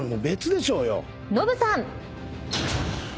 ノブさん。